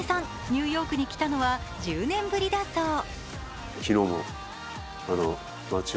ニューヨークに来たのは１０年ぶりだそう。